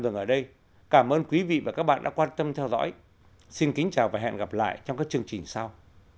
thưa quý vị và các bạn đã quan tâm theo dõi xin kính chào và hẹn gặp lại trong các chương trình sau